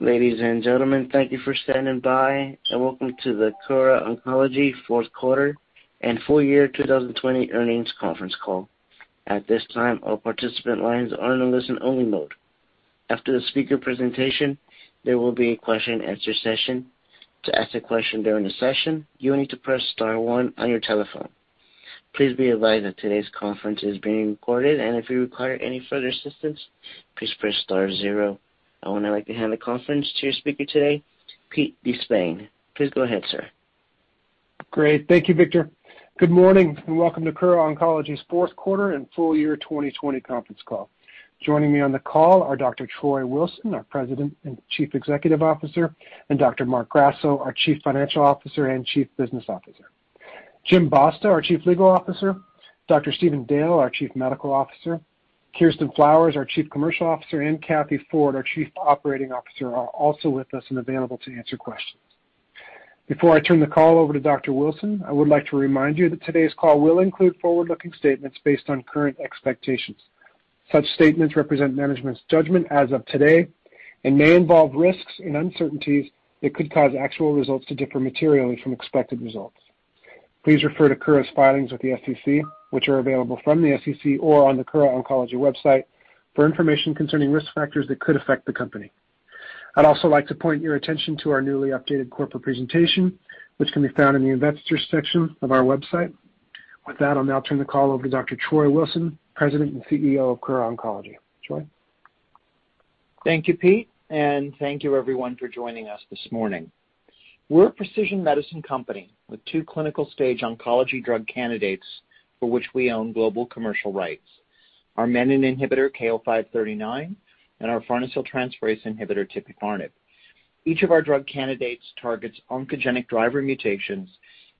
Ladies and gentlemen, thank you for standing by. Welcome to the Kura Oncology fourth quarter and full year 2020 earnings conference call. At this time, all participant lines are in a listen-only mode. After the speaker presentation, there will be a question and answer session. To ask a question during the session, you will need to press star one on your telephone. Please be advised that today's conference is being recorded. If you require any further assistance, please press star zero. I would now like to hand the conference to your speaker today, Pete De Spain. Please go ahead, sir. Great. Thank you, Victor. Good morning. Welcome to Kura Oncology's fourth quarter and full year 2020 conference call. Joining me on the call are Dr. Troy Wilson, our President and Chief Executive Officer, and Dr. Marc Grasso, our Chief Financial Officer and Chief Business Officer. James Basta, our Chief Legal Officer, Dr. Stephen Dale, our Chief Medical Officer, Kirsten Flowers, our Chief Commercial Officer, and Kathleen Ford, our Chief Operating Officer, are also with us and available to answer questions. Before I turn the call over to Dr. Wilson, I would like to remind you that today's call will include forward-looking statements based on current expectations. Such statements represent management's judgment as of today and may involve risks and uncertainties that could cause actual results to differ materially from expected results. Please refer to Kura's filings with the SEC, which are available from the SEC or on the Kura Oncology website, for information concerning risk factors that could affect the company. I'd also like to point your attention to our newly updated corporate presentation, which can be found in the Investors section of our website. With that, I'll now turn the call over to Dr. Troy Wilson, President and Chief Executive Officer of Kura Oncology. Troy? Thank you, Pete, and thank you everyone for joining us this morning. We're a precision medicine company with two clinical-stage oncology drug candidates for which we own global commercial rights. Our menin inhibitor, KO-539, and our farnesyltransferase inhibitor, tipifarnib. Each of our drug candidates targets oncogenic driver mutations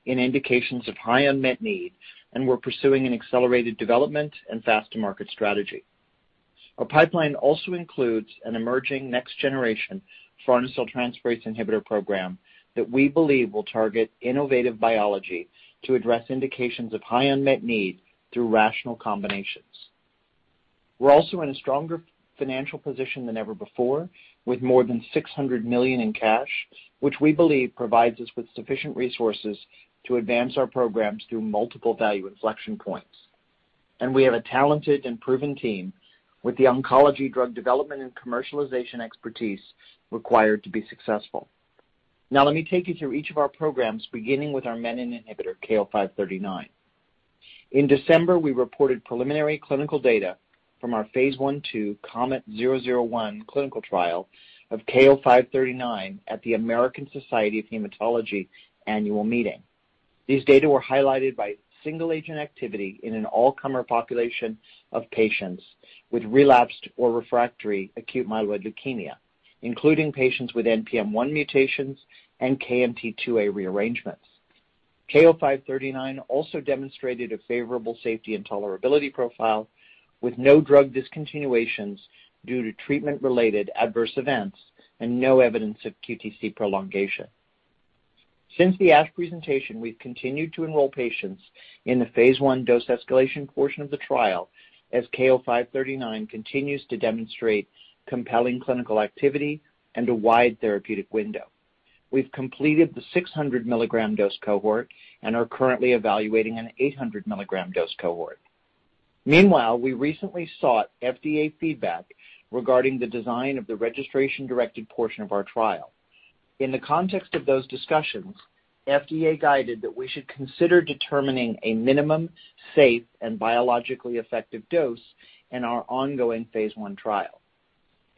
in indications of high unmet need, and we're pursuing an accelerated development and fast-to-market strategy. Our pipeline also includes an emerging next generation farnesyltransferase inhibitor program that we believe will target innovative biology to address indications of high unmet need through rational combinations. We're also in a stronger financial position than ever before, with more than $600 million in cash, which we believe provides us with sufficient resources to advance our programs through multiple value inflection points. We have a talented and proven team with the oncology drug development and commercialization expertise required to be successful. Now let me take you through each of our programs, beginning with our menin inhibitor, KO-539. In December, we reported preliminary clinical data from our phase I/II KOMET-001 clinical trial of KO-539 at the American Society of Hematology annual meeting. These data were highlighted by single-agent activity in an all-comer population of patients with relapsed or refractory acute myeloid leukemia, including patients with NPM1 mutations and KMT2A rearrangements. KO-539 also demonstrated a favorable safety and tolerability profile with no drug discontinuations due to treatment-related adverse events and no evidence of QTc prolongation. Since the ASH presentation, we've continued to enroll patients in the phase I dose escalation portion of the trial as KO-539 continues to demonstrate compelling clinical activity and a wide therapeutic window. We've completed the 600 mg dose cohort and are currently evaluating an 800 mg dose cohort. Meanwhile, we recently sought FDA feedback regarding the design of the registration-directed portion of our trial. In the context of those discussions, FDA guided that we should consider determining a minimum safe and biologically effective dose in our ongoing phase I trial.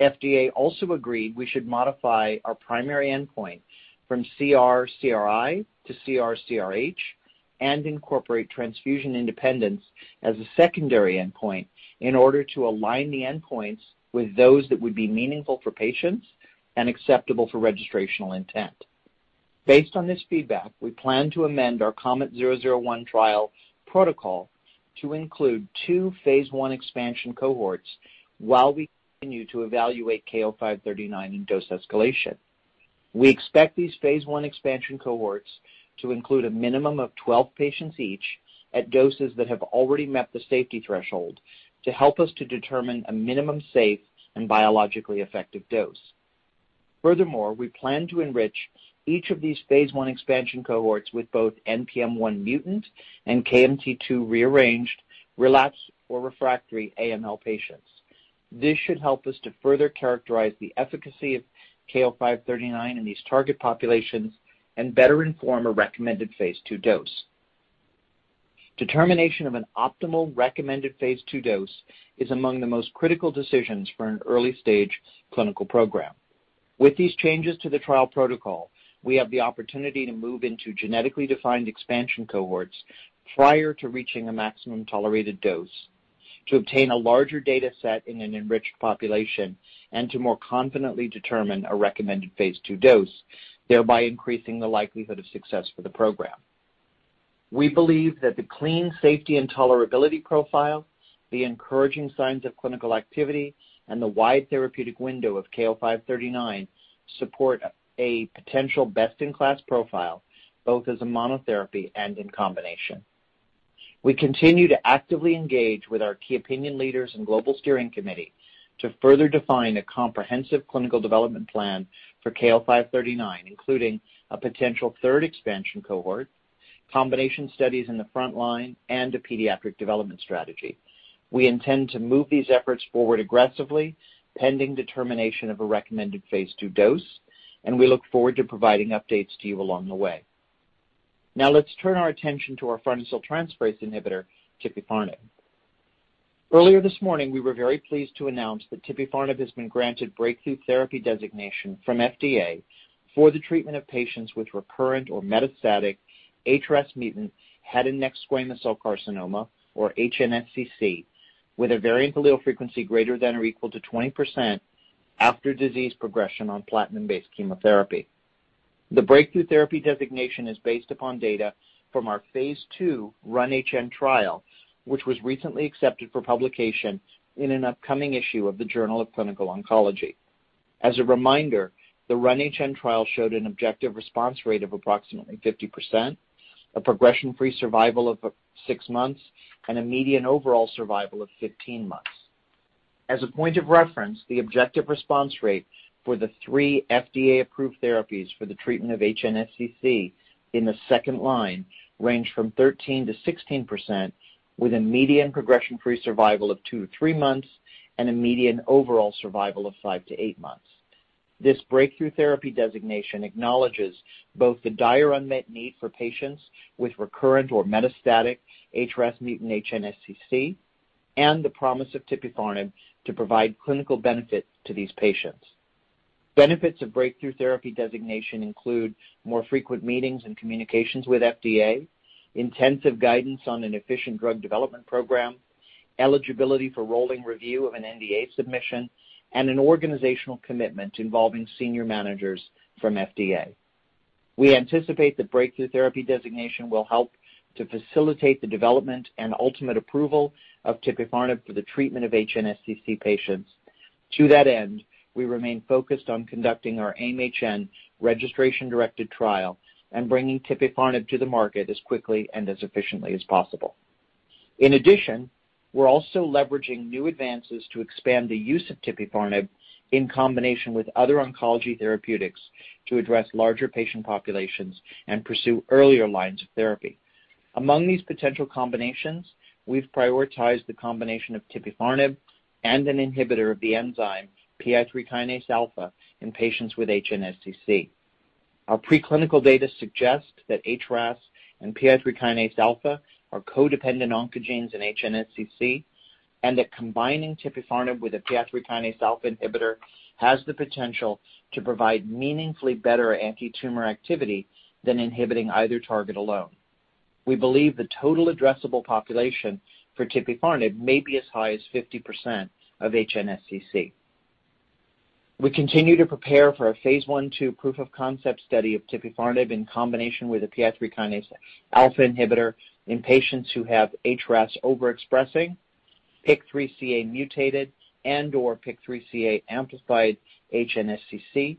FDA also agreed we should modify our primary endpoint from CR/CRi to CR/CRh and incorporate transfusion independence as a secondary endpoint in order to align the endpoints with those that would be meaningful for patients and acceptable for registrational intent. Based on this feedback, we plan to amend our KOMET-001 trial protocol to include two phase I expansion cohorts while we continue to evaluate KO-539 in dose escalation. We expect these phase I expansion cohorts to include a minimum of 12 patients each at doses that have already met the safety threshold to help us to determine a minimum safe and biologically effective dose. We plan to enrich each of these phase I expansion cohorts with both NPM1-mutant and KMT2A-rearranged relapsed or refractory AML patients. This should help us to further characterize the efficacy of KO-539 in these target populations and better inform a recommended phase II dose. Determination of an optimal recommended phase II dose is among the most critical decisions for an early-stage clinical program. With these changes to the trial protocol, we have the opportunity to move into genetically defined expansion cohorts prior to reaching a maximum tolerated dose to obtain a larger data set in an enriched population and to more confidently determine a recommended phase II dose, thereby increasing the likelihood of success for the program. We believe that the clean safety and tolerability profile, the encouraging signs of clinical activity, and the wide therapeutic window of KO-539 support a potential best-in-class profile, both as a monotherapy and in combination. We continue to actively engage with our key opinion leaders and global steering committee to further define a comprehensive clinical development plan for KO-539, including a potential third expansion cohort, combination studies in the front line, and a pediatric development strategy. We intend to move these efforts forward aggressively, pending determination of a recommended phase II dose, and we look forward to providing updates to you along the way. Now let's turn our attention to our farnesyltransferase inhibitor, tipifarnib. Earlier this morning, we were very pleased to announce that tipifarnib has been granted breakthrough therapy designation from FDA for the treatment of patients with recurrent or metastatic HRAS-mutant head and neck squamous cell carcinoma, or HNSCC, with a variant allele frequency greater than or equal to 20% after disease progression on platinum-based chemotherapy. The breakthrough therapy designation is based upon data from our phase II RUN-HN trial, which was recently accepted for publication in an upcoming issue of the "Journal of Clinical Oncology." As a reminder, the RUN-HN trial showed an objective response rate of approximately 50%, a progression-free survival of six months, and a median overall survival of 15 months. As a point of reference, the objective response rate for the three FDA-approved therapies for the treatment of HNSCC in the second line range from 13%-16% with a median progression-free survival of two to three months and a median overall survival of five to eight months. This breakthrough therapy designation acknowledges both the dire unmet need for patients with recurrent or metastatic HRAS mutant HNSCC and the promise of tipifarnib to provide clinical benefit to these patients. Benefits of breakthrough therapy designation include more frequent meetings and communications with FDA, intensive guidance on an efficient drug development program, eligibility for rolling review of an NDA submission, and an organizational commitment involving senior managers from FDA. We anticipate the breakthrough therapy designation will help to facilitate the development and ultimate approval of tipifarnib for the treatment of HNSCC patients. To that end, we remain focused on conducting our AIM-HN registration-directed trial and bringing tipifarnib to the market as quickly and as efficiently as possible. In addition, we're also leveraging new advances to expand the use of tipifarnib in combination with other oncology therapeutics to address larger patient populations and pursue earlier lines of therapy. Among these potential combinations, we've prioritized the combination of tipifarnib and an inhibitor of the enzyme PI3 kinase alpha in patients with HNSCC. Our preclinical data suggest that HRAS and PI3 kinase alpha are codependent oncogenes in HNSCC and that combining tipifarnib with a PI3 kinase alpha inhibitor has the potential to provide meaningfully better antitumor activity than inhibiting either target alone. We believe the total addressable population for tipifarnib may be as high as 50% of HNSCC. We continue to prepare for a phase I/II proof of concept study of tipifarnib in combination with a PI3 kinase alpha inhibitor in patients who have HRAS overexpressing, PIK3CA mutated and/or PIK3CA amplified HNSCC.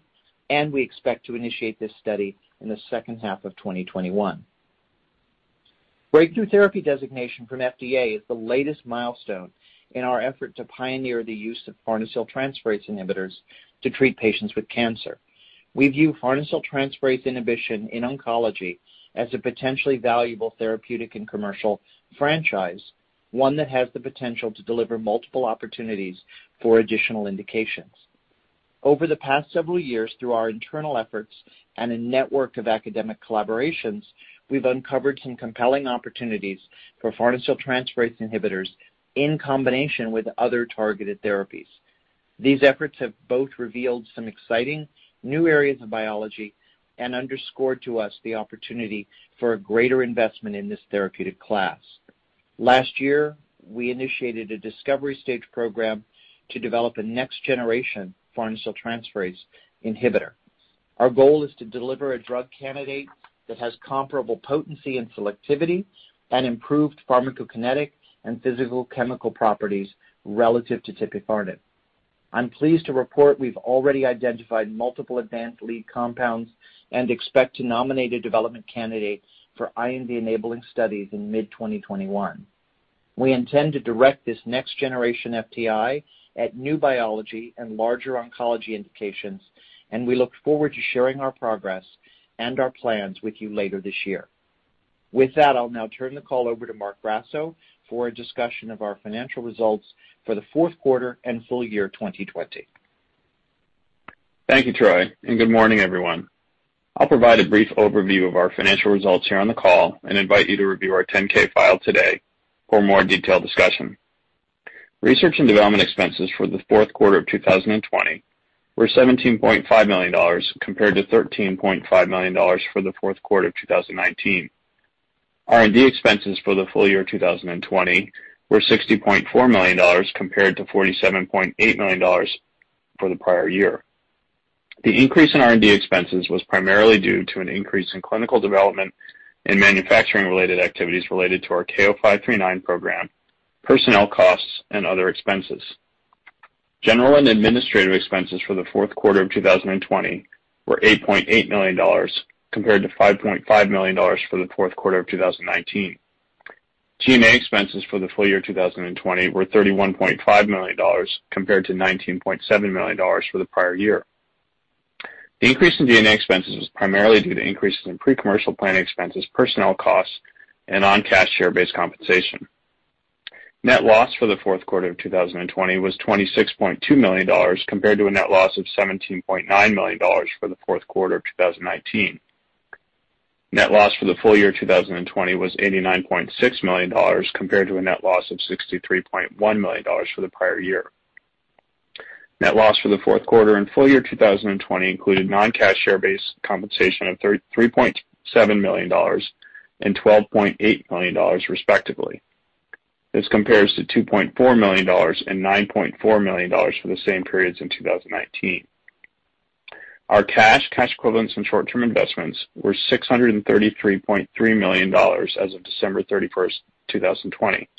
We expect to initiate this study in the second half of 2021. Breakthrough therapy designation from FDA is the latest milestone in our effort to pioneer the use of farnesyltransferase inhibitors to treat patients with cancer. We view farnesyltransferase inhibition in oncology as a potentially valuable therapeutic and commercial franchise, one that has the potential to deliver multiple opportunities for additional indications. Over the past several years, through our internal efforts and a network of academic collaborations, we've uncovered some compelling opportunities for farnesyltransferase inhibitors in combination with other targeted therapies. These efforts have both revealed some exciting new areas of biology and underscored to us the opportunity for a greater investment in this therapeutic class. Last year, we initiated a discovery-stage program to develop a next generation farnesyltransferase inhibitor. Our goal is to deliver a drug candidate that has comparable potency and selectivity and improved pharmacokinetic and physical-chemical properties relative to tipifarnib. I'm pleased to report we've already identified multiple advanced lead compounds and expect to nominate a development candidate for IND-enabling studies in mid-2021. We intend to direct this next generation FTI at new biology and larger oncology indications, and we look forward to sharing our progress and our plans with you later this year. With that, I'll now turn the call over to Marc Grasso for a discussion of our financial results for the fourth quarter and full year 2020. Thank you, Troy, and good morning, everyone. I'll provide a brief overview of our financial results here on the call and invite you to review our 10-K file today for a more detailed discussion. Research and development expenses for the fourth quarter of 2020 were $17.5 million compared to $13.5 million for the fourth quarter of 2019. R&D expenses for the full year 2020 were $60.4 million compared to $47.8 million for the prior year. The increase in R&D expenses was primarily due to an increase in clinical development and manufacturing related activities related to our KO-539 program, personnel costs, and other expenses. General and administrative expenses for the fourth quarter of 2020 were $8.8 million, compared to $5.5 million for the fourth quarter of 2019. G&A expenses for the full year 2020 were $31.5 million, compared to $19.7 million for the prior year. The increase in G&A expenses was primarily due to increases in pre-commercial planning expenses, personnel costs, and non-cash share-based compensation. Net loss for the fourth quarter of 2020 was $26.2 million, compared to a net loss of $17.9 million for the fourth quarter of 2019. Net loss for the full year 2020 was $89.6 million, compared to a net loss of $63.1 million for the prior year. Net loss for the fourth quarter and full year 2020 included non-cash share-based compensation of $33.7 million and $12.8 million respectively. This compares to $2.4 million and $9.4 million for the same periods in 2019. Our cash equivalents, and short-term investments were $633.3 million as of December 31, 2020,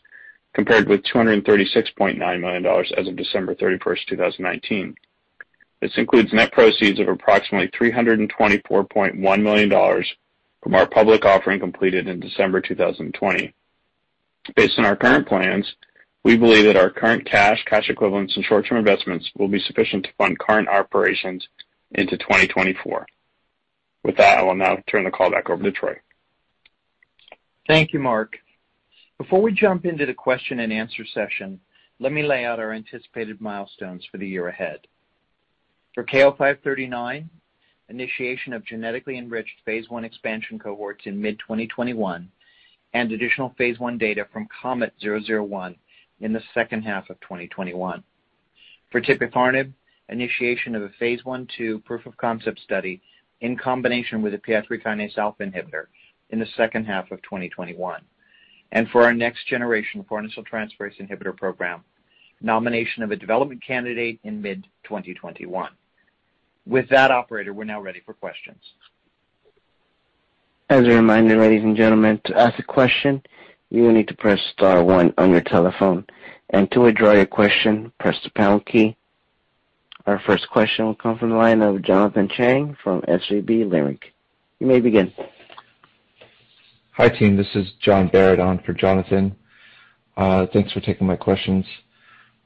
compared with $236.9 million as of December 31, 2019. This includes net proceeds of approximately $324.1 million from our public offering completed in December 2020. Based on our current plans, we believe that our current cash equivalents, and short-term investments will be sufficient to fund current operations into 2024. With that, I will now turn the call back over to Troy. Thank you, Marc. Before we jump into the question and answer session, let me lay out our anticipated milestones for the year ahead. For KO-539, initiation of genetically enriched phase I expansion cohorts in mid-2021 and additional phase I data from KOMET-001 in the second half of 2021. For tipifarnib, initiation of a phase I/II proof of concept study in combination with a PI3 kinase alpha inhibitor in the second half of 2021. For our next generation farnesyltransferase inhibitor program, nomination of a development candidate in mid-2021. With that, operator, we're now ready for questions. As a reminder, ladies and gentlemen, to ask a question, you will need to press star one on your telephone. To withdraw your question, press the pound key. Our first question will come from the line of Jonathan Chang from SVB Leerink. You may begin. Hi, team. This is John Baird on for Jonathan. Thanks for taking my questions.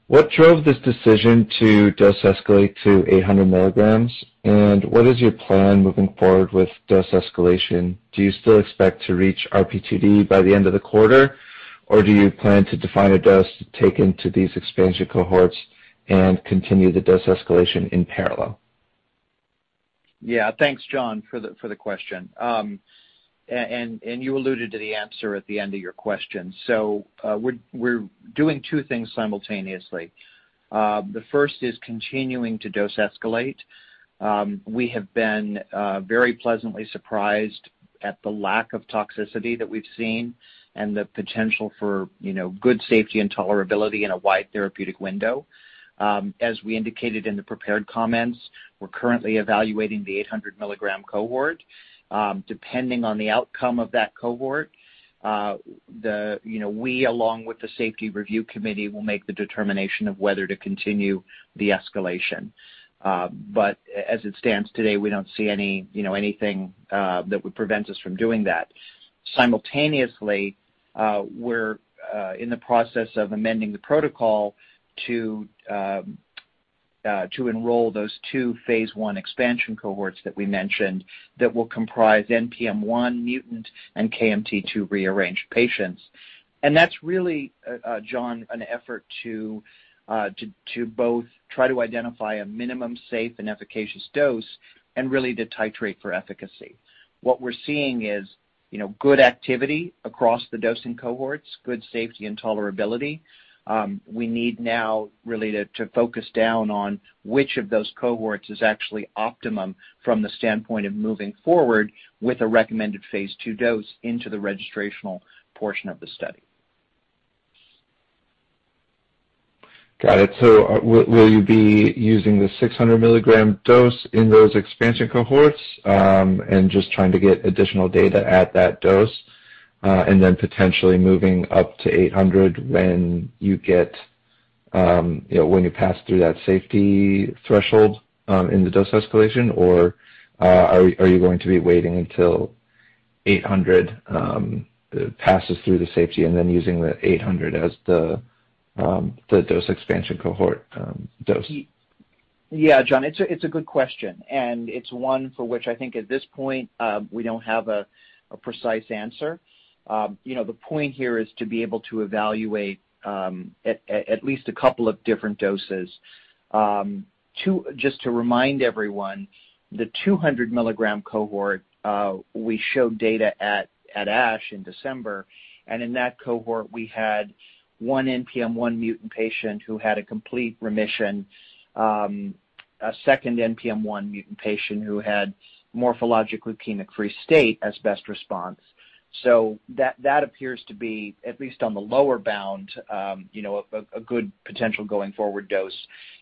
What drove this decision to dose escalate to 800 mg, and what is your plan moving forward with dose escalation? Do you still expect to reach RP2D by the end of the quarter, or do you plan to define a dose to take into these expansion cohorts and continue the dose escalation in parallel? Yeah. Thanks, John, for the question. You alluded to the answer at the end of your question. We're doing two things simultaneously. The first is continuing to dose escalate. We have been very pleasantly surprised at the lack of toxicity that we've seen and the potential for good safety and tolerability in a wide therapeutic window. As we indicated in the prepared comments, we're currently evaluating the 800-mg cohort. Depending on the outcome of that cohort, we, along with the safety review committee, will make the determination of whether to continue the escalation. As it stands today, we don't see anything that would prevent us from doing that. Simultaneously, we're in the process of amending the protocol to enroll those two phase I expansion cohorts that we mentioned that will comprise NPM1 mutant and KMT2A rearranged patients. That's really, John, an effort to both try to identify a minimum safe and efficacious dose and really to titrate for efficacy. What we're seeing is good activity across the dosing cohorts, good safety and tolerability. We need now really to focus down on which of those cohorts is actually optimum from the standpoint of moving forward with a recommended phase II dose into the registrational portion of the study. Got it. Will you be using the 600-mg dose in those expansion cohorts and just trying to get additional data at that dose, and then potentially moving up to 800 mg when you pass through that safety threshold in the dose escalation? Are you going to be waiting until 800 mg passes through the safety and then using the 800 mg as the dose expansion cohort dose? John, it's a good question. It's one for which I think at this point, we don't have a precise answer. The point here is to be able to evaluate at least a couple of different doses. Just to remind everyone, the 200-mg cohort, we showed data at ASH in December. In that cohort, we had one NPM1 mutant patient who had a complete remission, a second NPM1 mutant patient who had morphologically leukemia-free state as best response. That appears to be, at least on the lower bound, a good potential going-forward dose.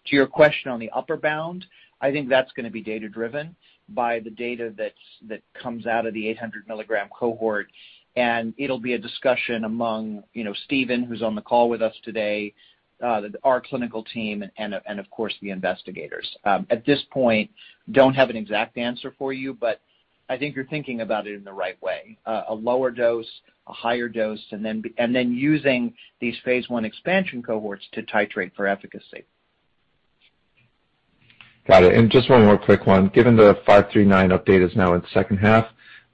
To your question on the upper bound, I think that's going to be data-driven by the data that comes out of the 800-mg cohort. It'll be a discussion among Stephen, who's on the call with us today, our clinical team, and of course, the investigators. At this point, don't have an exact answer for you. I think you're thinking about it in the right way. A lower dose, a higher dose. Then using these phase I expansion cohorts to titrate for efficacy. Got it. Just one more quick one. Given the KO-539 update is now in the second half,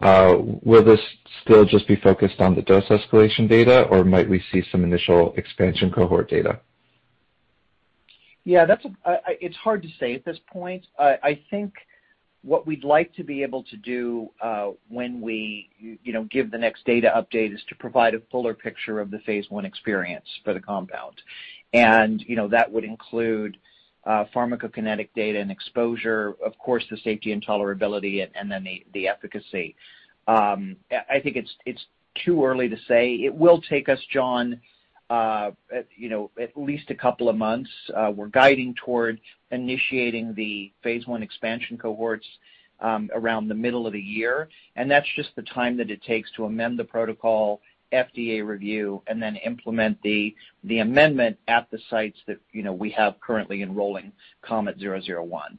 will this still just be focused on the dose escalation data, or might we see some initial expansion cohort data? Yeah. It's hard to say at this point. I think what we'd like to be able to do, when we give the next data update, is to provide a fuller picture of the phase I experience for the compound. That would include pharmacokinetic data and exposure, of course, the safety and tolerability, then the efficacy. I think it's too early to say. It will take us, John, at least a couple of months. We're guiding toward initiating the phase I expansion cohorts around the middle of the year, that's just the time that it takes to amend the protocol, FDA review, then implement the amendment at the sites that we have currently enrolling KOMET-001.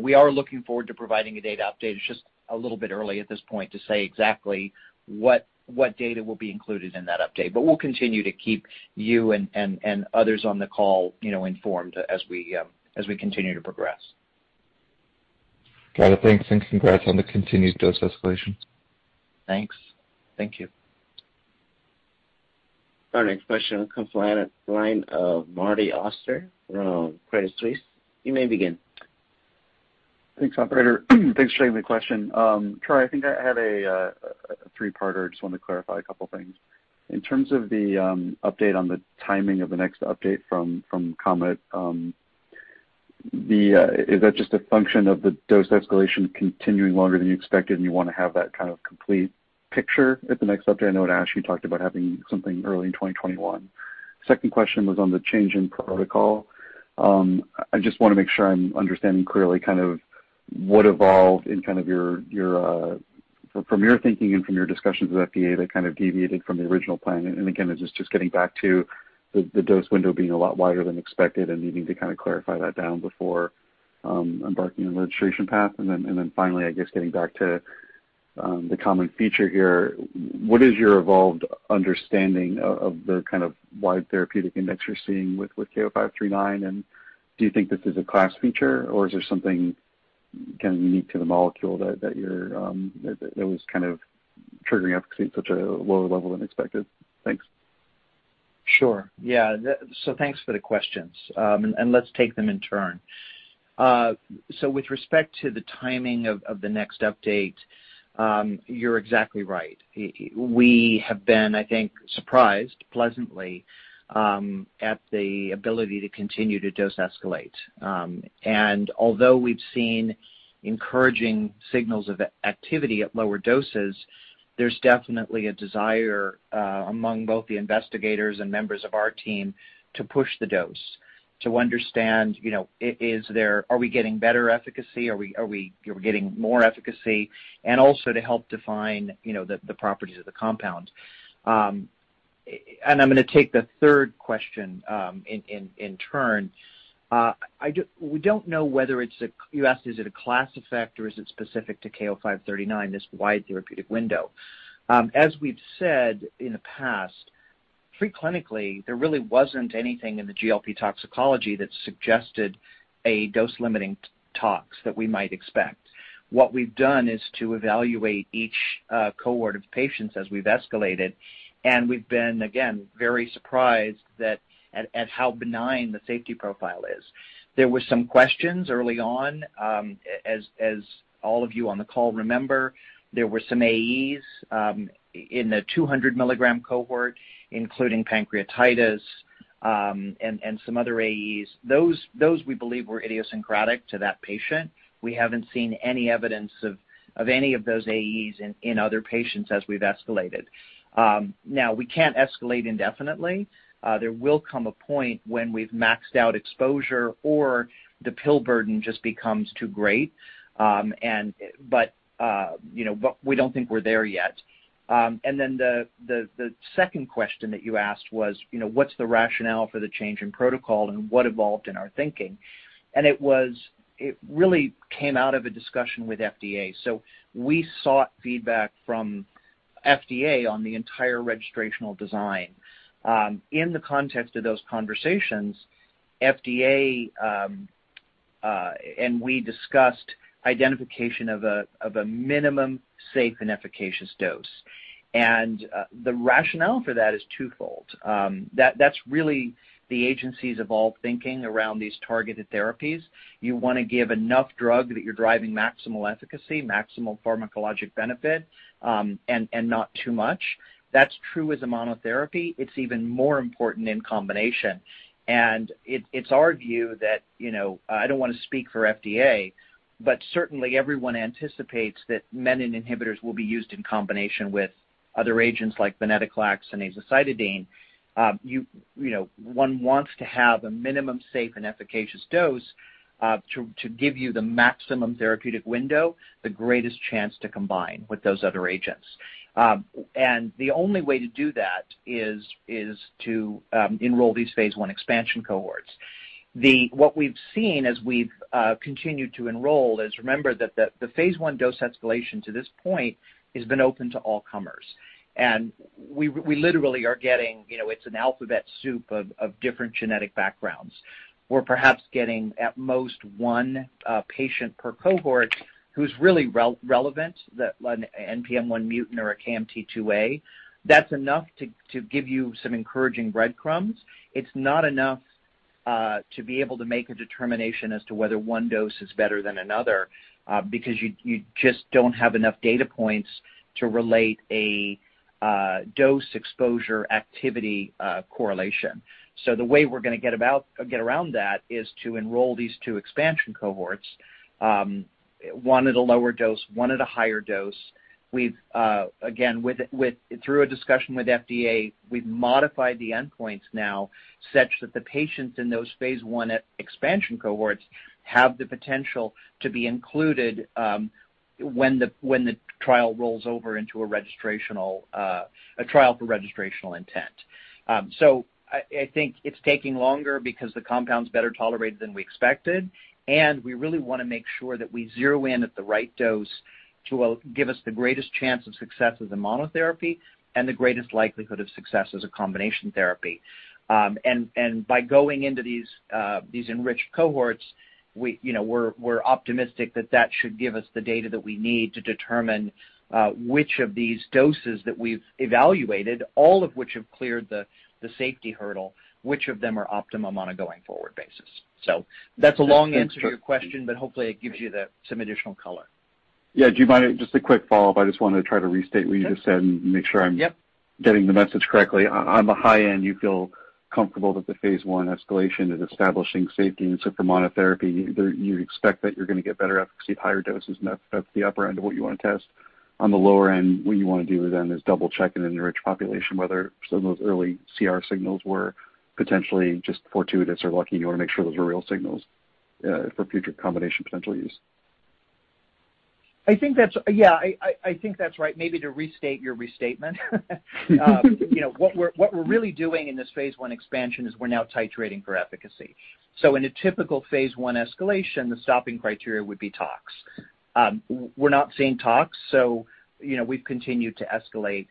We are looking forward to providing a data update. It's just a little bit early at this point to say exactly what data will be included in that update. We'll continue to keep you and others on the call informed as we continue to progress. Got it. Thanks, and congrats on the continued dose escalation. Thanks. Thank you. Our next question comes line of Marty Auster from Credit Suisse. You may begin. Thanks, operator. Thanks for taking the question. Troy, I think I had a three-parter. Just wanted to clarify a couple of things. In terms of the update on the timing of the next update from KOMET, is that just a function of the dose escalation continuing longer than you expected, and you want to have that kind of complete picture at the next update? I know at ASH you talked about having something early in 2021. Second question was on the change in protocol. I just want to make sure I'm understanding clearly what evolved from your thinking and from your discussions with FDA that kind of deviated from the original plan. Again, is this just getting back to the dose window being a lot wider than expected and needing to kind of clarify that down before embarking on the registration path? Finally, I guess getting back to the common feature here, what is your evolved understanding of the kind of wide therapeutic index you're seeing with KO-539, and do you think this is a class feature, or is there something kind of unique to the molecule that was kind of triggering efficacy at such a lower level than expected? Thanks. Sure. Yeah. Thanks for the questions. Let's take them in turn. With respect to the timing of the next update, you're exactly right. We have been, I think, surprised pleasantly, at the ability to continue to dose escalate. Although we've seen encouraging signals of activity at lower doses, there's definitely a desire among both the investigators and members of our team to push the dose to understand, are we getting better efficacy? Are we getting more efficacy? Also to help define the properties of the compound. I'm going to take the third question in turn. We don't know whether you asked is it a class effect or is it specific to KO-539, this wide therapeutic window. As we've said in the past, pre-clinically, there really wasn't anything in the GLP toxicology that suggested a dose-limiting tox that we might expect. What we've done is to evaluate each cohort of patients as we've escalated, and we've been, again, very surprised at how benign the safety profile is. There were some questions early on, as all of you on the call remember. There were some AEs in the 200 mg cohort, including pancreatitis, and some other AEs. Those we believe were idiosyncratic to that patient. We haven't seen any evidence of any of those AEs in other patients as we've escalated. We can't escalate indefinitely. There will come a point when we've maxed out exposure or the pill burden just becomes too great. We don't think we're there yet. The second question that you asked was what's the rationale for the change in protocol and what evolved in our thinking? It really came out of a discussion with FDA. We sought feedback from FDA on the entire registrational design. In the context of those conversations, FDA and we discussed identification of a minimum safe and efficacious dose. The rationale for that is twofold. That's really the agency's evolved thinking around these targeted therapies. You want to give enough drug that you're driving maximal efficacy, maximal pharmacologic benefit, and not too much. That's true as a monotherapy. It's even more important in combination. It's our view that, I don't want to speak for FDA, but certainly everyone anticipates that menin inhibitors will be used in combination with other agents like venetoclax and azacitidine. One wants to have a minimum safe and efficacious dose to give you the maximum therapeutic window, the greatest chance to combine with those other agents. The only way to do that is to enroll these phase I expansion cohorts. What we've seen as we've continued to enroll is, remember that the phase I dose escalation to this point has been open to all comers. We literally are getting, it's an alphabet soup of different genetic backgrounds. We're perhaps getting at most one patient per cohort who's really relevant, an NPM1 mutant or a KMT2A. That's enough to give you some encouraging breadcrumbs. It's not enough to be able to make a determination as to whether one dose is better than another, because you just don't have enough data points to relate a dose exposure activity correlation. The way we're going to get around that is to enroll these two expansion cohorts, one at a lower dose, one at a higher dose. Again, through a discussion with FDA, we've modified the endpoints now such that the patients in those phase I expansion cohorts have the potential to be included when the trial rolls over into a trial for registrational intent. I think it's taking longer because the compound's better tolerated than we expected, and we really want to make sure that we zero in at the right dose to give us the greatest chance of success as a monotherapy and the greatest likelihood of success as a combination therapy. By going into these enriched cohorts, we're optimistic that that should give us the data that we need to determine which of these doses that we've evaluated, all of which have cleared the safety hurdle, which of them are optimum on a going forward basis. That's a long answer to your question, but hopefully it gives you some additional color. Yeah. Do you mind, just a quick follow-up. I just wanted to try to restate what you just said and make sure I'm- Yep. Getting the message correctly. On the high end, you feel comfortable that the phase I escalation is establishing safety. For monotherapy, you expect that you're going to get better efficacy at higher doses, and that's the upper end of what you want to test. On the lower end, what you want to do is double-check in an enriched population whether some of those early CR signals were potentially just fortuitous or lucky, and you want to make sure those are real signals for future combination potential use. I think that's right. Maybe to restate your restatement. What we're really doing in this phase I expansion is we're now titrating for efficacy. In a typical phase I escalation, the stopping criteria would be tox. We're not seeing tox, we've continued to escalate.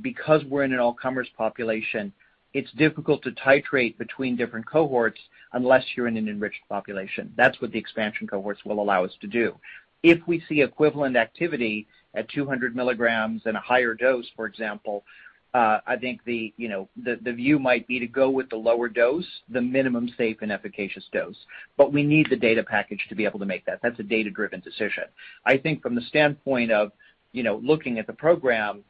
Because we're in an all-comers population, it's difficult to titrate between different cohorts unless you're in an enriched population. That's what the expansion cohorts will allow us to do. If we see equivalent activity at 200 mg and a higher dose, for example, I think the view might be to go with the lower dose, the minimum safe and efficacious dose. We need the data package to be able to make that. That's a data-driven decision. I think from the standpoint of looking at the program,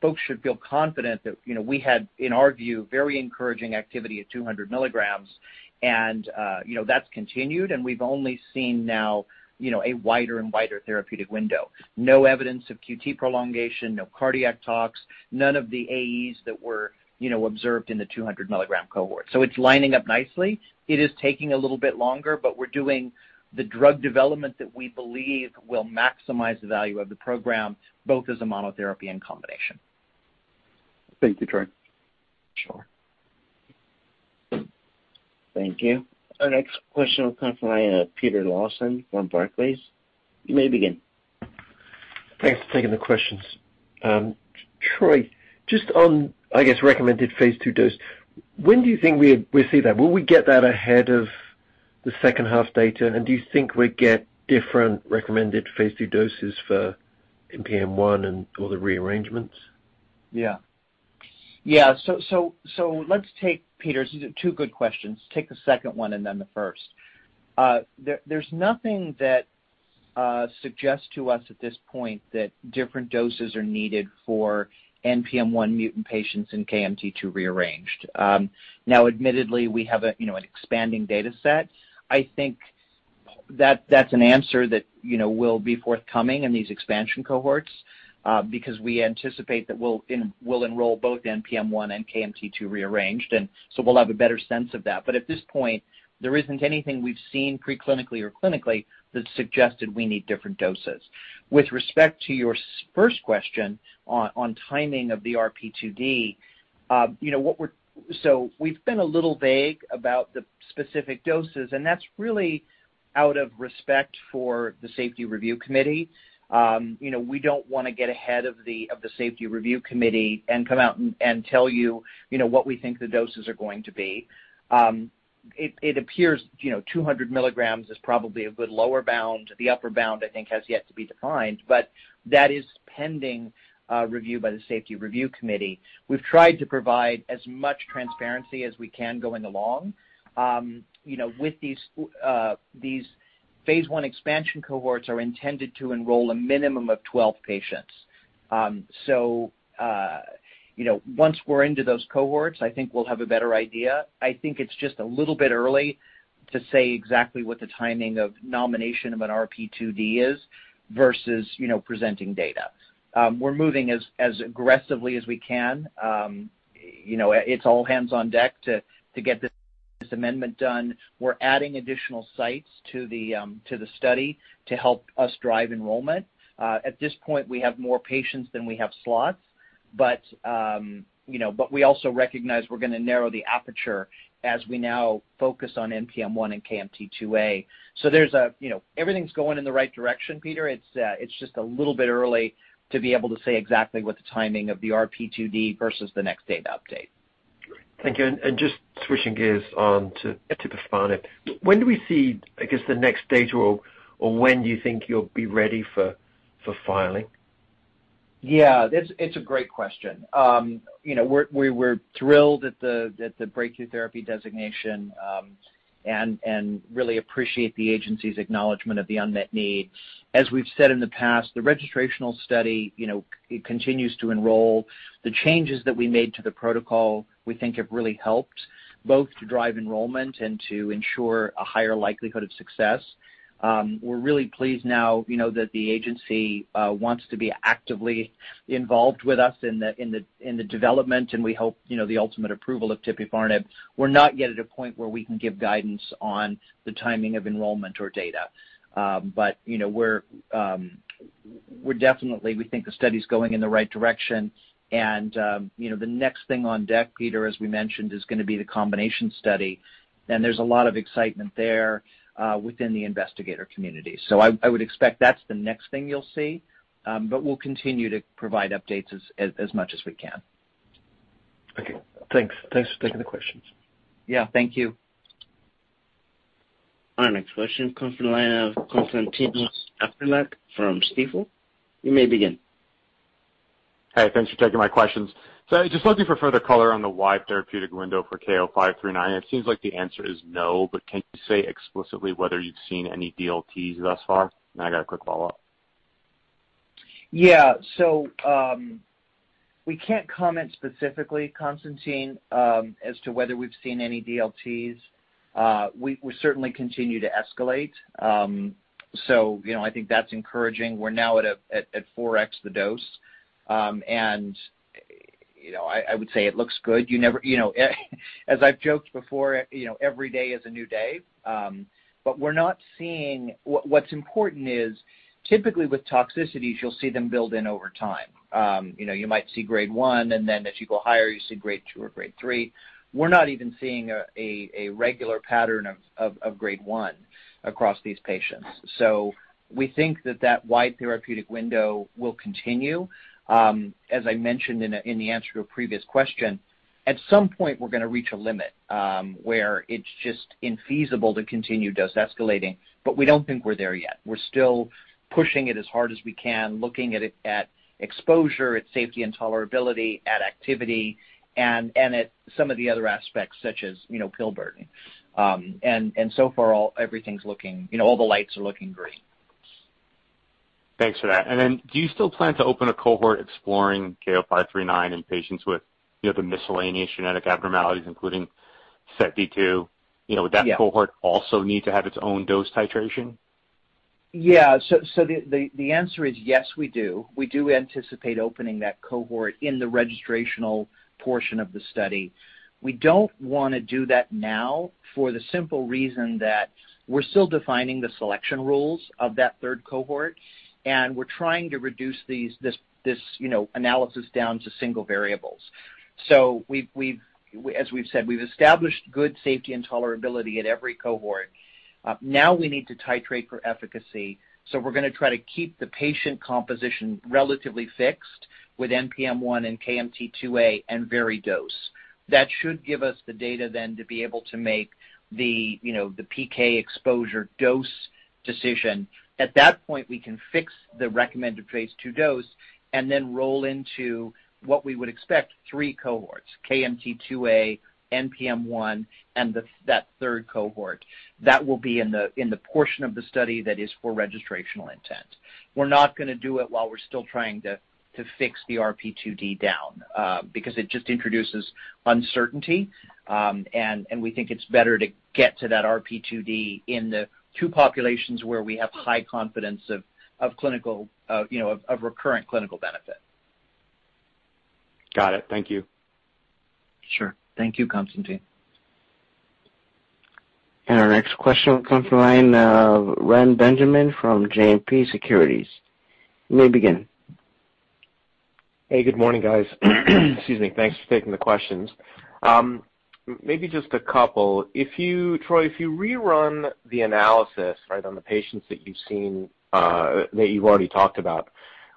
folks should feel confident that we had, in our view, very encouraging activity at 200 mg, and that's continued, and we've only seen now a wider and wider therapeutic window. No evidence of QT prolongation, no cardiac tox, none of the AEs that were observed in the 200-mg cohort. It's lining up nicely. It is taking a little bit longer. We're doing the drug development that we believe will maximize the value of the program, both as a monotherapy and combination. Thank you, Troy. Sure. Thank you. Our next question will come from Peter Lawson from Barclays. You may begin. Thanks for taking the questions. Troy, just on, I guess, recommended phase II dose. When do you think we'll see that? Will we get that ahead of the second-half data? Do you think we'll get different recommended phase II doses for NPM1 and all the rearrangements? Yeah. Let's take, Peter, these are two good questions. Take the second one and then the first. There's nothing that suggests to us at this point that different doses are needed for NPM1 mutant patients in KMT2A rearranged. Now, admittedly, we have an expanding data set. I think that's an answer that will be forthcoming in these expansion cohorts because we anticipate that we'll enroll both NPM1 and KMT2A rearranged. We'll have a better sense of that. At this point, there isn't anything we've seen pre-clinically or clinically that suggested we need different doses. With respect to your first question on timing of the RP2D, we've been a little vague about the specific doses, and that's really out of respect for the safety review committee. We don't want to get ahead of the safety review committee and come out and tell you what we think the doses are going to be. It appears 200 mg is probably a good lower bound. The upper bound, I think, has yet to be defined, but that is pending review by the safety review committee. We've tried to provide as much transparency as we can going along. These phase I expansion cohorts are intended to enroll a minimum of 12 patients. Once we're into those cohorts, I think we'll have a better idea. I think it's just a little bit early to say exactly what the timing of nomination of an RP2D is versus presenting data. We're moving as aggressively as we can. It's all hands on deck to get this amendment done. We're adding additional sites to the study to help us drive enrollment. At this point, we have more patients than we have slots. We also recognize we're going to narrow the aperture as we now focus on NPM1 and KMT2A. Everything's going in the right direction, Peter. It's just a little bit early to be able to say exactly what the timing of the RP2D versus the next data update. Thank you. Just switching gears on to tipifarnib. When do we see, I guess, the next data or when do you think you'll be ready for filing? Yeah, it's a great question. We're thrilled at the breakthrough therapy designation and really appreciate the agency's acknowledgment of the unmet need. As we've said in the past, the registrational study continues to enroll. The changes that we made to the protocol we think have really helped both to drive enrollment and to ensure a higher likelihood of success. We're really pleased now that the agency wants to be actively involved with us in the development and we hope the ultimate approval of tipifarnib. We're not yet at a point where we can give guidance on the timing of enrollment or data. We definitely think the study's going in the right direction and the next thing on deck, Peter, as we mentioned, is going to be the combination study, and there's a lot of excitement there within the investigator community. I would expect that's the next thing you'll see, but we'll continue to provide updates as much as we can. Okay. Thanks for taking the questions. Yeah. Thank you. Our next question comes from the line of Konstantinos Aprilakis from Stifel. You may begin. Hi, thanks for taking my questions. I was just looking for further color on the wide therapeutic window for KO-539. It seems like the answer is no, but can you say explicitly whether you've seen any DLTs thus far? I got a quick follow-up. Yeah. We can't comment specifically, Konstantinos, as to whether we've seen any DLTs. We certainly continue to escalate. I think that's encouraging. We're now at 4x the dose. I would say it looks good. As I've joked before, every day is a new day. What's important is, typically with toxicities, you'll see them build in over time. You might see Grade 1, and then as you go higher, you see Grade 2 or Grade 3. We're not even seeing a regular pattern of Grade 1 across these patients. We think that that wide therapeutic window will continue. As I mentioned in the answer to a previous question, at some point, we're going to reach a limit, where it's just infeasible to continue dose escalating, but we don't think we're there yet. We're still pushing it as hard as we can, looking at exposure, at safety and tolerability, at activity, and at some of the other aspects such as pill burden. So far, all the lights are looking green. Thanks for that. Do you still plan to open a cohort exploring KO-539 in patients with the miscellaneous genetic abnormalities, including SETD2? Yeah. Would that cohort also need to have its own dose titration? Yeah. The answer is yes, we do. We do anticipate opening that cohort in the registrational portion of the study. We don't want to do that now for the simple reason that we're still defining the selection rules of that third cohort, and we're trying to reduce this analysis down to single variables. As we've said, we've established good safety and tolerability at every cohort. Now we need to titrate for efficacy, so we're going to try to keep the patient composition relatively fixed with NPM1 and KMT2A and vary dose. That should give us the data then to be able to make the PK exposure dose decision. At that point, we can fix the recommended phase II dose and then roll into what we would expect, three cohorts, KMT2A, NPM1, and that third cohort. That will be in the portion of the study that is for registrational intent. We are not going to do it while we are still trying to fix the RP2D down, because it just introduces uncertainty, and we think it is better to get to that RP2D in the two populations where we have high confidence of recurrent clinical benefit. Got it. Thank you. Sure. Thank you, Konstantinos. Our next question comes from the line of Ren Benjamin from JMP Securities. You may begin. Hey, good morning, guys. Excuse me. Thanks for taking the questions. Maybe just a couple. Troy, if you rerun the analysis on the patients that you've already talked about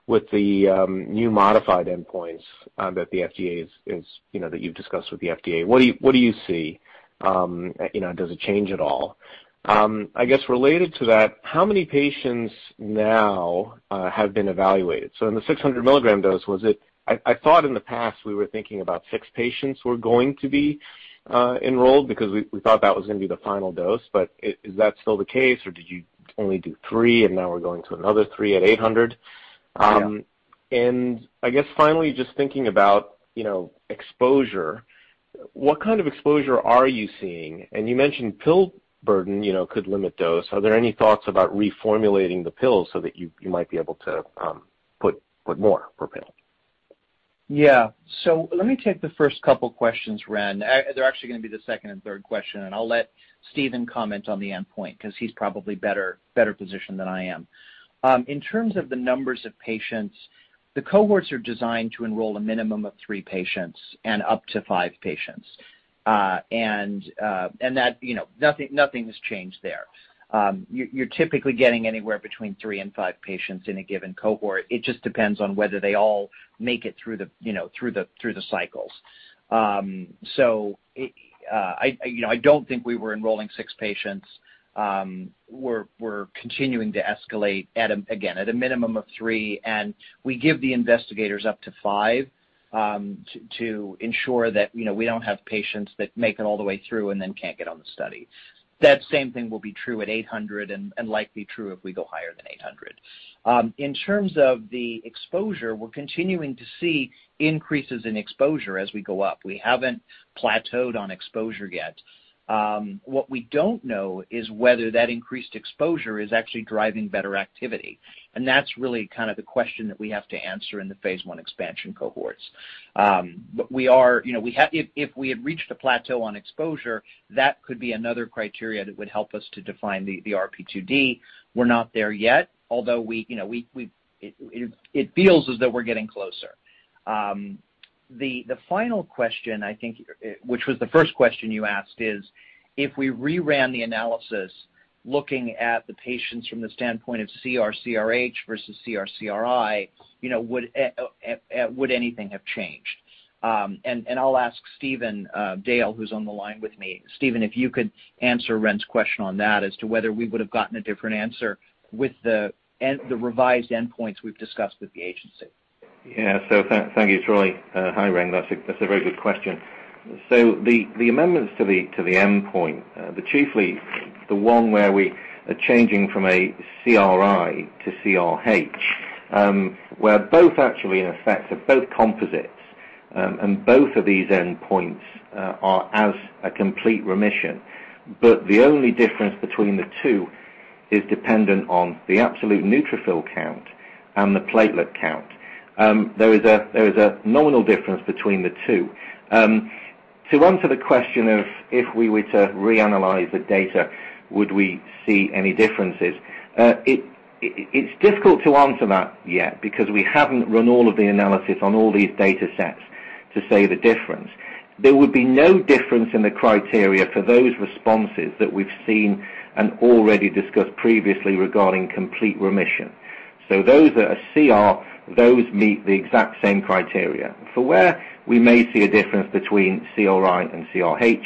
with the new modified endpoints that you've discussed with the FDA, what do you see? Does it change at all? I guess related to that, how many patients now have been evaluated? In the 600 mg dose, I thought in the past we were thinking about six patients were going to be enrolled because we thought that was going to be the final dose. Is that still the case, or did you only do three and now we're going to another three at 800 mg? Yeah. I guess finally, just thinking about exposure, what kind of exposure are you seeing? You mentioned pill burden could limit dose. Are there any thoughts about reformulating the pill so that you might be able to put more per pill? Yeah. Let me take the first two questions, Ren. They're actually going to be the second and third questions, and I'll let Stephen comment on the endpoint because he's probably better positioned than I am. In terms of the numbers of patients. The cohorts are designed to enroll a minimum of three patients and up to five patients. Nothing has changed there. You're typically getting anywhere between three and five patients in a given cohort. It just depends on whether they all make it through the cycles. I don't think we were enrolling six patients. We're continuing to escalate, again, at a minimum of three, and we give the investigators up to five to ensure that we don't have patients that make it all the way through and then can't get on the study. That same thing will be true at 800 mg and likely true if we go higher than 800 mg. In terms of the exposure, we're continuing to see increases in exposure as we go up. We haven't plateaued on exposure yet. What we don't know is whether that increased exposure is actually driving better activity, and that's really the question that we have to answer in the phase I expansion cohorts. If we had reached a plateau on exposure, that could be another criteria that would help us to define the RP2D. We're not there yet, although it feels as though we're getting closer. The final question, I think, which was the first question you asked, is if we reran the analysis looking at the patients from the standpoint of CR/CRh versus CR/CRi, would anything have changed? I'll ask Stephen Dale, who's on the line with me. Stephen, if you could answer Ren's question on that as to whether we would have gotten a different answer with the revised endpoints we've discussed with the agency. Thank you, Troy. Hi, Ren. That's a very good question. The amendments to the endpoint, chiefly the one where we are changing from a CR/CRi to CR/CRh, where both actually, in effect, are both composites, and both of these endpoints are as a complete remission. The only difference between the two is dependent on the absolute neutrophil count and the platelet count. There is a nominal difference between the two. To answer the question of, if we were to reanalyze the data, would we see any differences? It's difficult to answer that yet, because we haven't run all of the analysis on all these data sets to say the difference. There would be no difference in the criteria for those responses that we've seen and already discussed previously regarding complete remission. Those that are CR, those meet the exact same criteria. For where we may see a difference between CRi and CRh,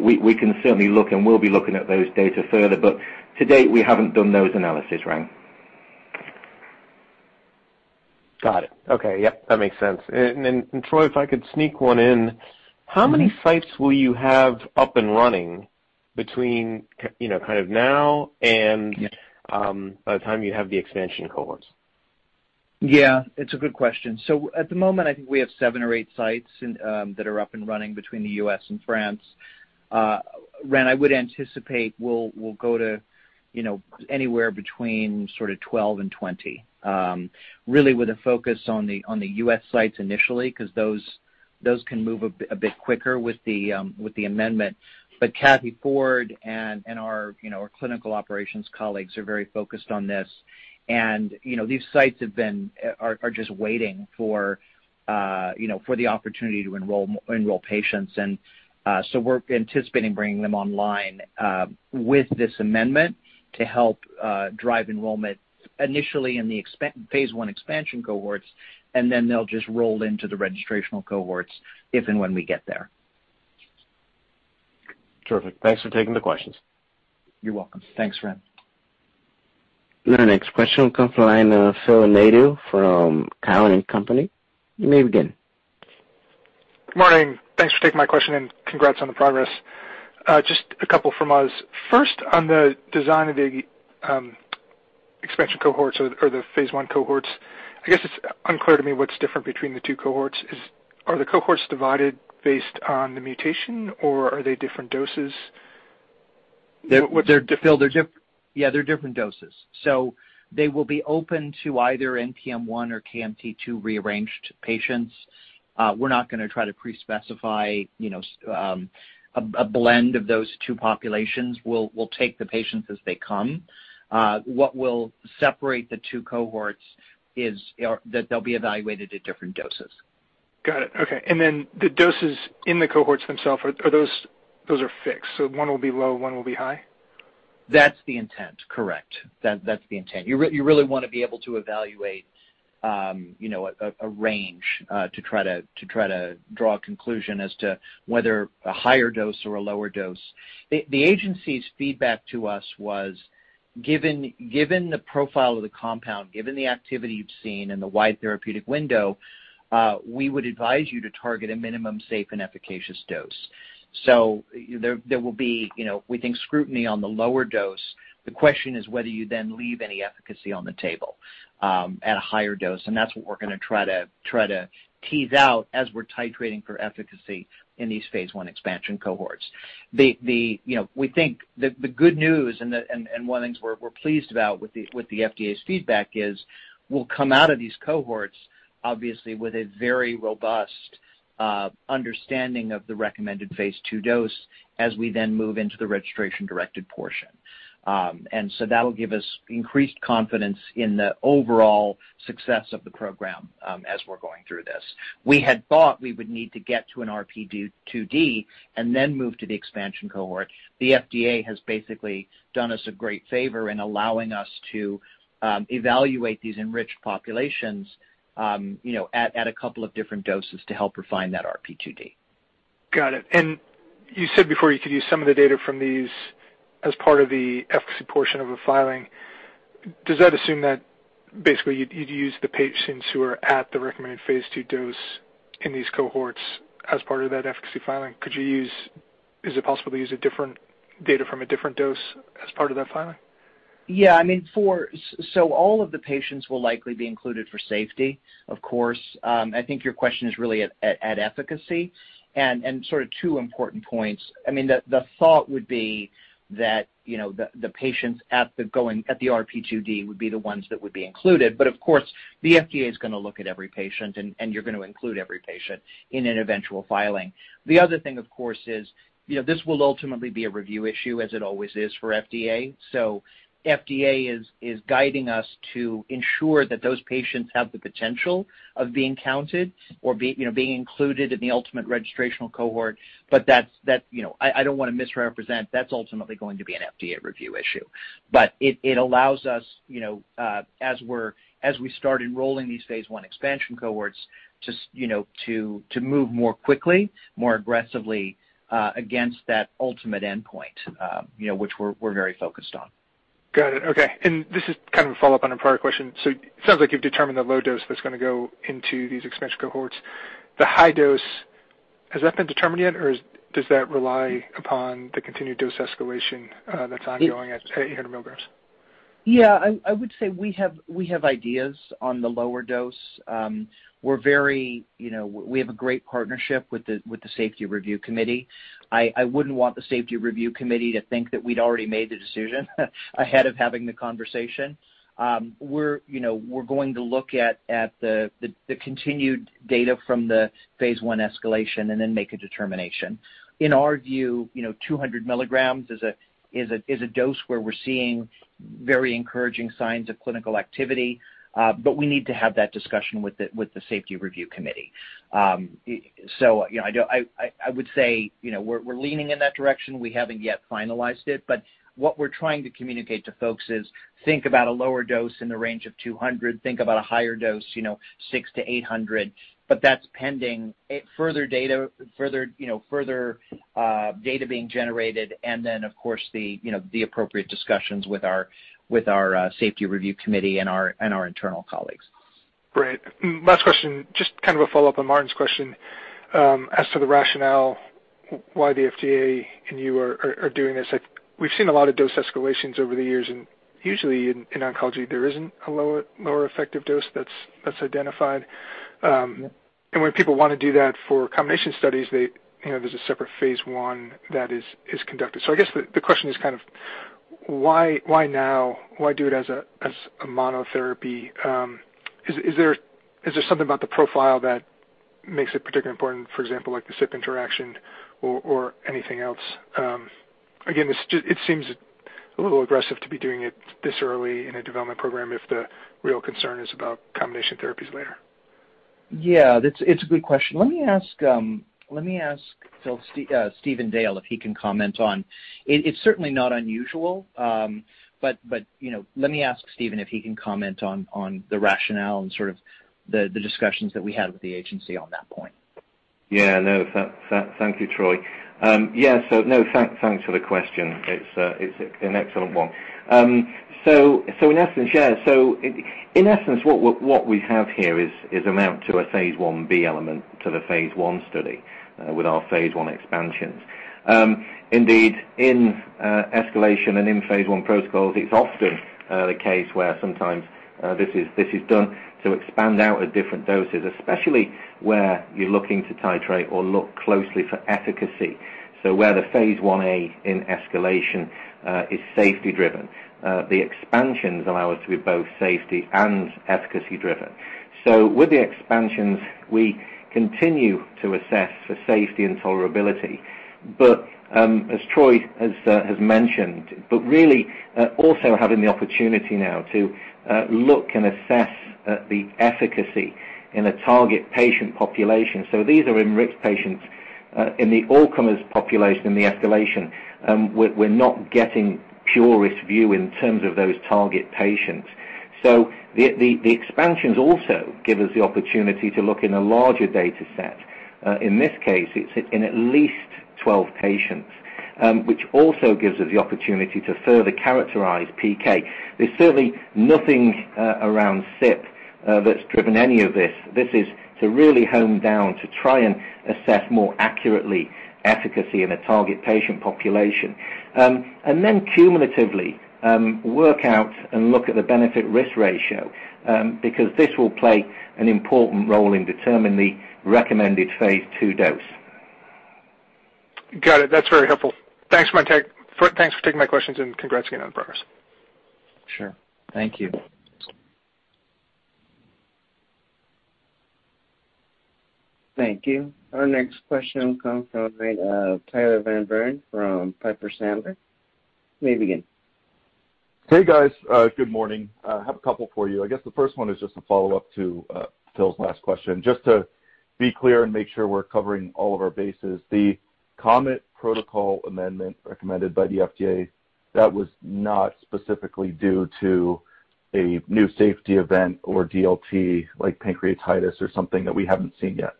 we can certainly look, and will be looking at those data further, but to date, we haven't done those analyses, Ren. Got it. Okay. Yeah. That makes sense. Troy, if I could sneak one in, how many sites will you have up and running between now and by the time you have the expansion cohorts? Yeah, it's a good question. At the moment, I think we have seven or eight sites that are up and running between the U.S. and France. Ren, I would anticipate we'll go to anywhere between sort of 12 and 20, really with a focus on the U.S. sites initially, because those can move a bit quicker with the amendment. Kathleen Ford and our clinical operations colleagues are very focused on this. These sites are just waiting for the opportunity to enroll patients. We're anticipating bringing them online with this amendment to help drive enrollment initially in the phase I expansion cohorts, and then they'll just roll into the registrational cohorts if and when we get there. Terrific. Thanks for taking the questions. You're welcome. Thanks, Ren. The next question comes from the line of Phil Nadeau from Cowen and Company. You may begin. Good morning. Thanks for taking my question and congrats on the progress. Just a couple from us. First, on the design of the expansion cohorts or the phase I cohorts, I guess it is unclear to me what is different between the two cohorts. Are the cohorts divided based on the mutation, or are they different doses? Phil, yeah, they're different doses. They will be open to either NPM1 or KMT2A rearranged patients. We're not going to try to pre-specify a blend of those two populations. We'll take the patients as they come. What will separate the two cohorts is that they'll be evaluated at different doses. Got it. Okay. The doses in the cohorts themselves, those are fixed. One will be low, one will be high? That's the intent. Correct. That's the intent. You really want to be able to evaluate a range to try to draw a conclusion as to whether a higher dose or a lower dose. The agency's feedback to us was, given the profile of the compound, given the activity you've seen and the wide therapeutic window, we would advise you to target a minimum safe and efficacious dose. There will be, we think, scrutiny on the lower dose. The question is whether you then leave any efficacy on the table at a higher dose, and that's what we're going to try to tease out as we're titrating for efficacy in these phase I expansion cohorts. We think the good news, and one of the things we're pleased about with the FDA's feedback is we'll come out of these cohorts, obviously, with a very robust understanding of the recommended phase II dose as we then move into the registration-directed portion. That'll give us increased confidence in the overall success of the program as we're going through this. We had thought we would need to get to an RP2D and then move to the expansion cohort. The FDA has basically done us a great favor in allowing us to evaluate these enriched populations at a couple of different doses to help refine that RP2D. Got it. You said before you could use some of the data from these as part of the efficacy portion of a filing. Does that assume that basically you'd use the patients who are at the recommended phase II dose in these cohorts as part of that efficacy filing? Is it possible to use data from a different dose as part of that filing? Yeah. All of the patients will likely be included for safety, of course. I think your question is really at efficacy, and sort of two important points. The thought would be that the patients at the RP2D would be the ones that would be included. Of course, the FDA is going to look at every patient, and you're going to include every patient in an eventual filing. The other thing, of course, is this will ultimately be a review issue, as it always is for FDA. FDA is guiding us to ensure that those patients have the potential of being counted or being included in the ultimate registrational cohort. I don't want to misrepresent, that's ultimately going to be an FDA review issue. It allows us, as we start enrolling these phase I expansion cohorts to move more quickly, more aggressively against that ultimate endpoint, which we're very focused on. Got it. Okay. This is kind of a follow-up on a prior question. It sounds like you've determined the low dose that's going to go into these expansion cohorts. The high dose, has that been determined yet, or does that rely upon the continued dose escalation that's ongoing at 800 mg? Yeah, I would say we have ideas on the lower dose. We have a great partnership with the safety review committee. I wouldn't want the safety review committee to think that we'd already made the decision ahead of having the conversation. We're going to look at the continued data from the phase I escalation then make a determination. In our view, 200 mg is a dose where we're seeing very encouraging signs of clinical activity, we need to have that discussion with the safety review committee. I would say, we're leaning in that direction. We haven't yet finalized it. What we're trying to communicate to folks is, think about a lower dose in the range of 200 mg, think about a higher dose, 600-800 mg, but that's pending further data being generated and then, of course, the appropriate discussions with our safety review committee and our internal colleagues. Great. Last question, just kind of a follow-up on Marty's question. As to the rationale why the FDA and you are doing this, we've seen a lot of dose escalations over the years. Usually in oncology, there isn't a lower effective dose that's identified. When people want to do that for combination studies, there's a separate phase I that is conducted. I guess the question is kind of why now? Why do it as a monotherapy? Is there something about the profile that makes it particularly important, for example, like the CYP interaction or anything else? Again, it seems a little aggressive to be doing it this early in a development program if the real concern is about combination therapies later. Yeah. It's a good question. Let me ask Stephen Dale if he can comment on. It's certainly not unusual, but let me ask Stephen if he can comment on the rationale and sort of the discussions that we had with the agency on that point. No, thank you, Troy. Thanks for the question. It's an excellent one. In essence, what we have here is amount to a phase I-B element to the phase I study with our phase I expansions. Indeed, in escalation and in phase I protocols, it's often the case where sometimes this is done to expand out at different doses, especially where you're looking to titrate or look closely for efficacy. Where the phase I-A in escalation is safety driven, the expansions allow us to be both safety and efficacy driven. With the expansions, we continue to assess for safety and tolerability, as Troy has mentioned, really also having the opportunity now to look and assess the efficacy in a target patient population. These are enriched patients in the all-comers population, in the escalation. We're not getting pure risk view in terms of those target patients. The expansions also give us the opportunity to look in a larger data set. In this case, it's in at least 12 patients, which also gives us the opportunity to further characterize PK. There's certainly nothing around CYP that's driven any of this. This is to really hone down, to try and assess more accurately efficacy in a target patient population. Cumulatively, work out and look at the benefit risk ratio, because this will play an important role in determining the recommended phase II dose. Got it. That's very helpful. Thanks for taking my questions and congrats again on the progress. Sure. Thank you. Thank you. Our next question comes from the line of Tyler Van Buren from Piper Sandler. You may begin. Hey, guys. Good morning. I have a couple for you. I guess the first one is just a follow-up to Phil's last question. Just to be clear and make sure we're covering all of our bases, the KOMET protocol amendment recommended by the FDA, that was not specifically due to a new safety event or DLT like pancreatitis or something that we haven't seen yet.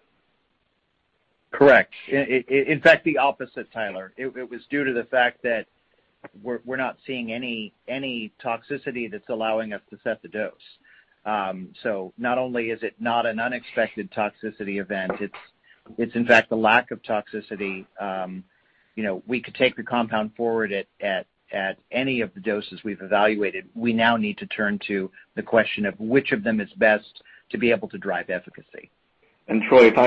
Correct. In fact, the opposite, Tyler. It was due to the fact that we're not seeing any toxicity that's allowing us to set the dose. Not only is it not an unexpected toxicity event, it's in fact a lack of toxicity. We could take the compound forward at any of the doses we've evaluated. We now need to turn to the question of which of them is best to be able to drive efficacy. Troy, if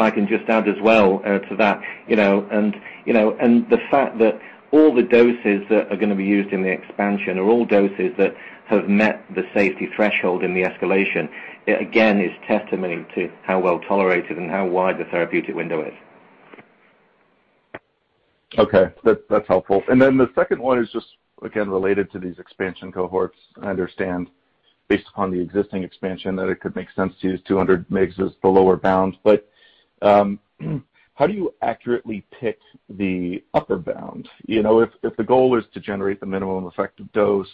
I can just add as well to that, and the fact that all the doses that are going to be used in the expansion are all doses that have met the safety threshold in the escalation, it again is testimony to how well-tolerated and how wide the therapeutic window is. Okay. That's helpful. The second one is just, again, related to these expansion cohorts. I understand based upon the existing expansion that it could make sense to use 200 mgs as the lower bound. How do you accurately pick the upper bound? If the goal is to generate the minimum effective dose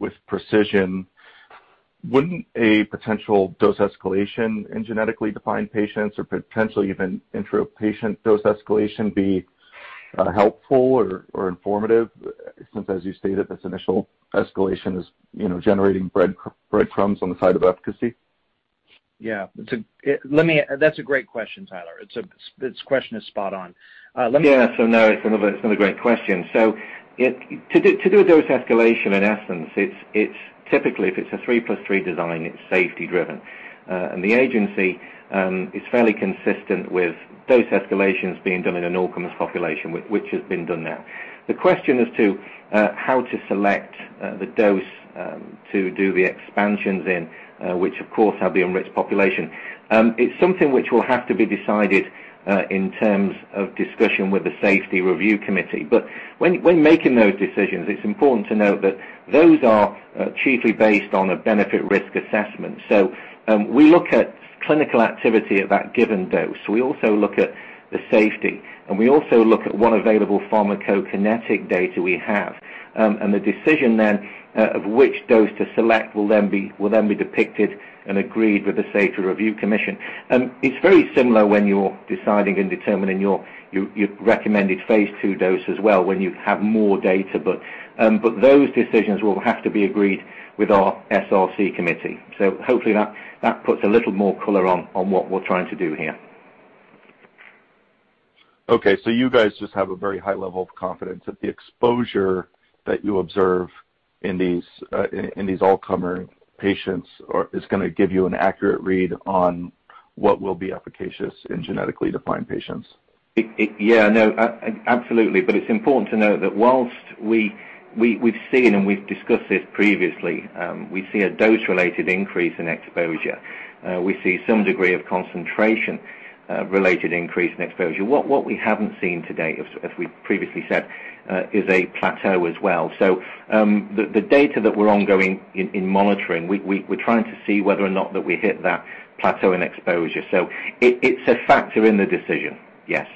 with precision, wouldn't a potential dose escalation in genetically defined patients or potentially even intra-patient dose escalation be helpful or informative, since, as you stated, this initial escalation is generating breadcrumbs on the side of efficacy? Yeah. That's a great question, Tyler. This question is spot on. Yeah. No, it's another great question. To do a dose escalation, in essence, it's typically, if it's a three plus three design, it's safety driven. The agency is fairly consistent with dose escalations being done in an all-comers population, which has been done now. The question as to how to select the dose to do the expansions in, which of course have the enriched population, it's something which will have to be decided in terms of discussion with the safety review committee. When making those decisions, it's important to note that those are chiefly based on a benefit-risk assessment. We look at clinical activity at that given dose. We also look at the safety, and we also look at what available pharmacokinetic data we have. The decision then of which dose to select will then be depicted and agreed with the safety review commission. It's very similar when you're deciding and determining your recommended phase II dose as well when you have more data. Those decisions will have to be agreed with our SRC committee. Hopefully that puts a little more color on what we're trying to do here. Okay. You guys just have a very high level of confidence that the exposure that you observe in these all-comer patients is going to give you an accurate read on what will be efficacious in genetically defined patients. No, absolutely. It's important to note that while we've seen and we've discussed this previously, we see a dose-related increase in exposure. We see some degree of concentration-related increase in exposure. What we haven't seen to date, as we previously said, is a plateau as well. The data that we're ongoing in monitoring, we're trying to see whether or not that we hit that plateau in exposure. It's a factor in the decision, yes.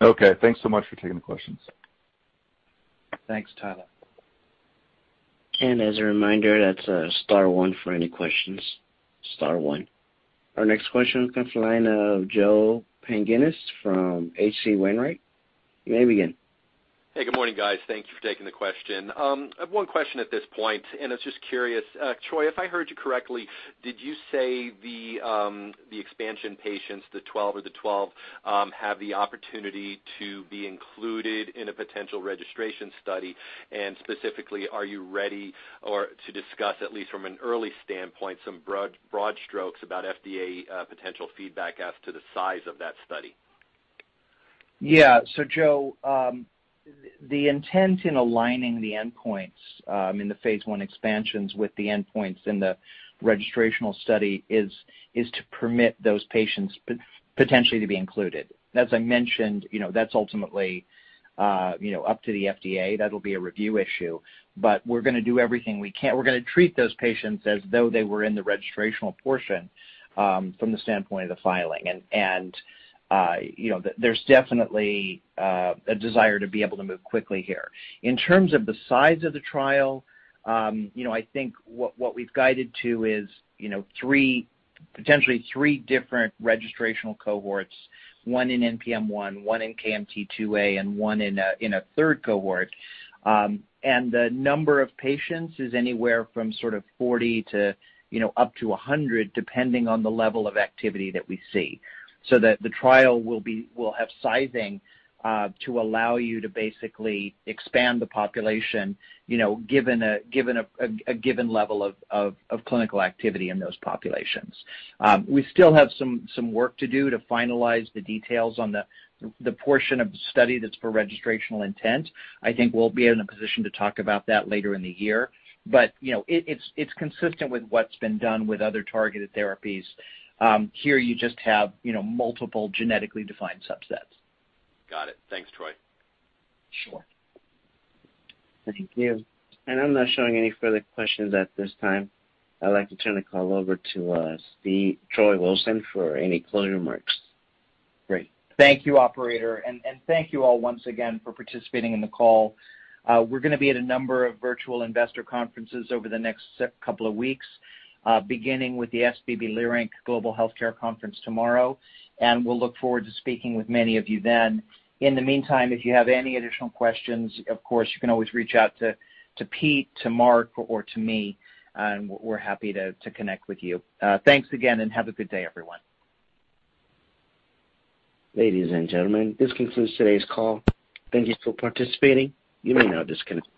Okay. Thanks so much for taking the questions. Thanks, Tyler. As a reminder, that's star one for any questions. Star one. Our next question comes from the line of Joe Pantginis from H.C. Wainwright. You may begin. Hey, good morning, guys. Thank you for taking the question. I have one question at this point, and it's just curious. Troy, if I heard you correctly, did you say the expansion patients, the 12 of the 12, have the opportunity to be included in a potential registration study? Specifically, are you ready to discuss, at least from an early standpoint, some broad strokes about FDA potential feedback as to the size of that study? Yeah. Joe, the intent in aligning the endpoints in the phase I expansions with the endpoints in the registrational study is to permit those patients potentially to be included. As I mentioned, that's ultimately up to the FDA. That'll be a review issue. We're going to do everything we can. We're going to treat those patients as though they were in the registrational portion from the standpoint of the filing, and there's definitely a desire to be able to move quickly here. In terms of the size of the trial, I think what we've guided to is potentially three different registrational cohorts, one in NPM1, one in KMT2A, and one in a third cohort. The number of patients is anywhere from sort of 40 up to 100, depending on the level of activity that we see. That the trial will have sizing to allow you to basically expand the population, given a given level of clinical activity in those populations. We still have some work to do to finalize the details on the portion of the study that's for registrational intent. I think we'll be in a position to talk about that later in the year. It's consistent with what's been done with other targeted therapies. Here you just have multiple genetically defined subsets. Got it. Thanks, Troy. Sure. Thank you. I'm not showing any further questions at this time. I'd like to turn the call over to Troy Wilson for any closing remarks. Great. Thank you, operator, and thank you all once again for participating in the call. We're going to be at a number of virtual investor conferences over the next couple of weeks, beginning with the SVB Leerink Global Healthcare Conference tomorrow, and we'll look forward to speaking with many of you then. In the meantime, if you have any additional questions, of course, you can always reach out to Pete, to Marc, or to me, and we're happy to connect with you. Thanks again, and have a good day, everyone. Ladies and gentlemen, this concludes today's call. Thank you for participating. You may now disconnect.